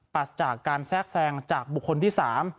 ปัสจากการแทรกแทรงจากบุคคลที่๓